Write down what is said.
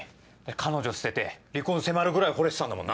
彼女捨てて離婚迫るぐらいほれてたんだもんな。